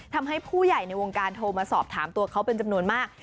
ทำให้ผู้ใหญ่ในวงการโทรมาสอบถามตัวเขาเป็นจำนวนมาก